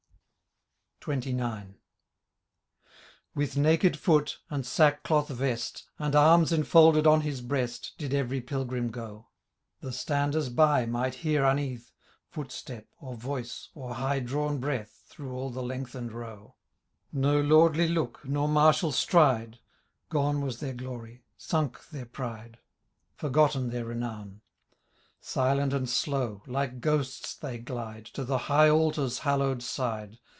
• XXIX. With naked foot, and sackcloth vest. And arms enfolded on his breast. Did every pilgrim go ; The standers by might hear uneath. Footstep, oir voice, or high drawn breathy Through all the lengthen^ row : Digitized by VjOOQIC 146 THB LAY OP Canto Vt, No lordly look, nor martial stride, Gone was their glory, sunk their pride. Forgotten their renown ; Silent and slow, like ghosts they glide To the high altar's hallow'd side.